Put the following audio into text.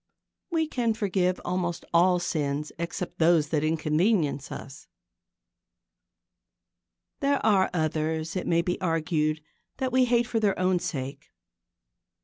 We can forgive almost all sins except those that inconvenience us. There are others, it may be argued, that we hate for their own sake.